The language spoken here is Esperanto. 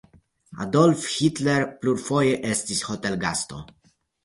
Adolf Hitler plurfoje estis hotelgasto.